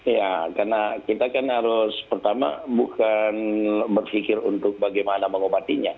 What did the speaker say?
ya karena kita kan harus pertama bukan berpikir untuk bagaimana mengobatinya